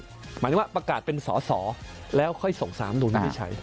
หมายถึงว่าประกาศเป็นสอแล้วค่อยส่งสามดูไม่ได้ใช้